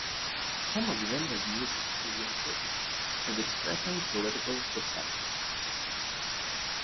Some of Linda's music can be interpreted as expressing political dissent.